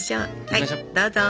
はいどうぞ。